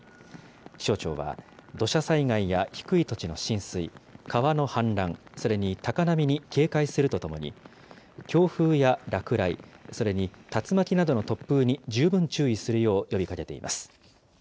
気象庁は土砂災害や低い土地の浸水、川の氾濫、それに高波に警戒するとともに、強風や落雷、それに竜巻などの突風に十分注意するよう呼びかけています。